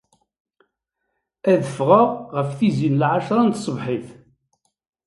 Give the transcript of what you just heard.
Ad ffɣeɣ ɣef tizi n lɛecṛa n tṣebḥit.